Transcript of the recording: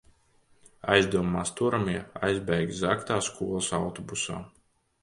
Aizdomās turamie aizbēga zagtā skolas autobusā.